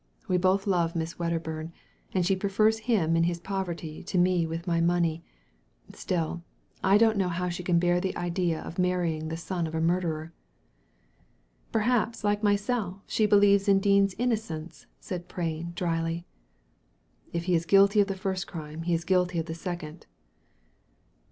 "We both love Miss Wedderbum, and she prefers him in his poverty to me with my money. Still, I don't know how she can bear the idea of marrying the son of a murderer." "Perhaps, like myself, she believes in Dean's innocence," said Prain, dryly. " If he is guilty of the first crime, he is guilty of the second."